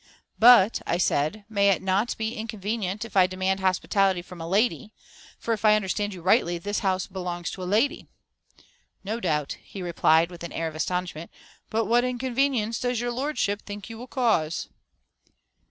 "But," I said, "may it not be inconvenient if I demand hospitality from a lady, for if I understand you rightly, this house belongs to a lady." "No doubt," he replied, with an air of astonishment; "but what inconvenience does your lordship think you will cause?"